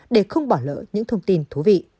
để không bỏ lỡ những thông tin thú vị